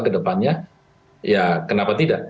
kemudian bisa mungkin bisa ke depannya ya kenapa tidak